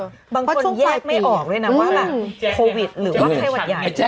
บางคนแยกไม่ออกโควิดหรือไข้หวัดใหญ่